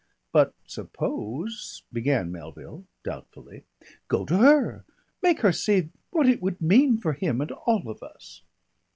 "But suppose " began Melville doubtfully. "Go to her. Make her see what it would mean for him and all of us."